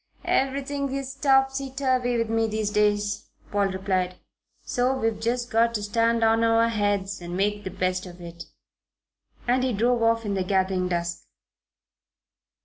"Everything is topsy turvy with me, these days," Paul replied: "so we've just got to stand on our heads and make the best of it." And he drove off in the gathering dusk.